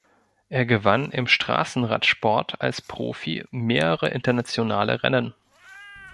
Er gewann im Straßenradsport als Profi mehrere internationale Rennen.